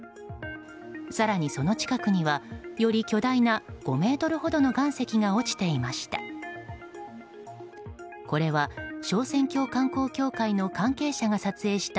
更に、その近くにはより巨大な５ｍほどの岩石が落ちていました。